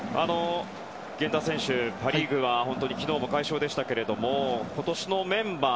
源田選手、パ・リーグは昨日も快勝でしたけども今年のメンバー